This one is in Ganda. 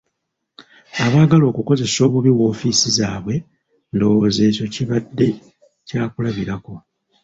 Abaagala okukozesa obubi woofiisi zaabwe ndowozza ekyo kibade kyakulabirako.